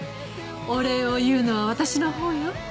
お礼を言うのは私のほうよ。